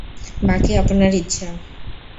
বাকি আপনার ইচ্ছা।